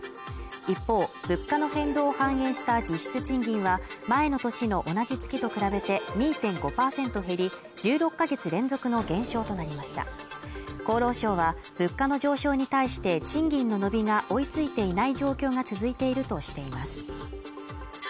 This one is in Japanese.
一方、物価の変動を反映した実質賃金は前の年の同じ月と比べて２．５％減り１６カ月連続の減少となりました厚労省は物価の上昇に対して賃金の伸びが追いついていない状況が続いているとしています